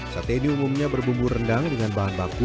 sate ini umumnya berbumbu rendang dengan bahan baku